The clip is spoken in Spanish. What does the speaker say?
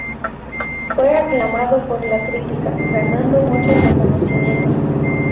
Fue aclamado por la crítica, ganando muchos reconocimientos.